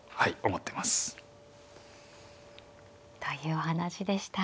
というお話でした。